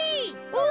お。